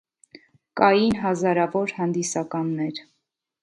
Կայն հազարավոր հանդիսականներ։